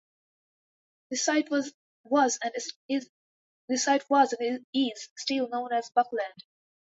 The site was and is still known as Buckland.